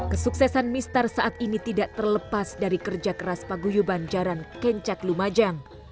kesuksesan mistar saat ini tidak terlepas dari kerja keras paguyuban jaran kencak lumajang